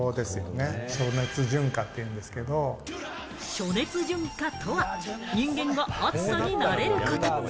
暑熱順化とは人間が暑さに慣れること。